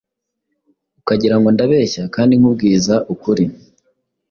Ukagirango ndabeshya kandi nkubwiza ukuri